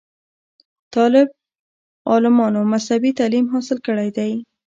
طالب علمانومذهبي تعليم حاصل کړے دے